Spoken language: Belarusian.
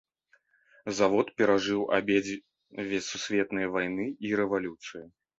Завод перажыў абедзве сусветныя вайны і рэвалюцыю.